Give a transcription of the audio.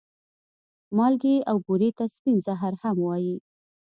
مالګې او بورې ته سپين زهر هم وايې